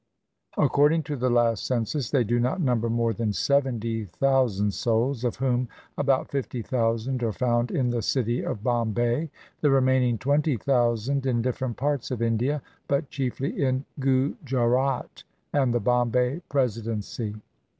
According to the last census they do not number more than seventy thousand souls, of whom about fifty thousand are found in the city of Bombay, the remaining twenty thousand in different parts of India, but chiefly in Gujarat and the Bombay Presidency.